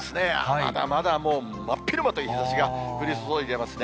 まだまだもう真っ昼間という日ざしが降り注いでますね。